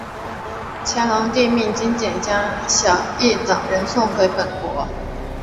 乾隆帝命金简将益晓等人送回本国。